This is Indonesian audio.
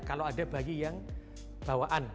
kalau ada bayi yang bawaan